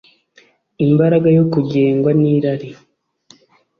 Imbaraga yo kugengwa nirari